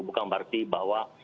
bukan berarti bahwa